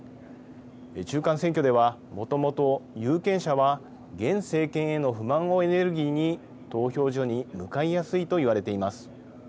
中間選挙ではもともと有権者は現政権への不満をエネルギーに投票所に向かいやすいといわれています。